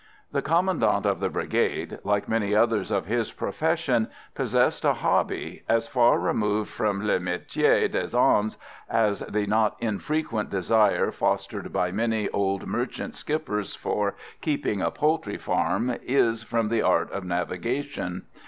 The Commandant of the Brigade, like many others of his profession, possessed a hobby, as far removed from le métier des armes as the not infrequent desire fostered by many old merchant skippers for keeping a poultry farm is from the art of navigation.